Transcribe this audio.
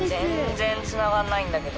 全然つながんないんだけど。